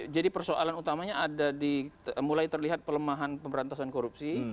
jadi persoalan utamanya ada di mulai terlihat pelemahan pemberantasan korupsi